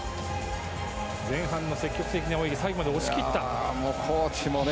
前半の積極的な泳ぎで最後まで押し切ったメストレ。